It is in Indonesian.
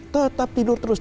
tetap tidur terus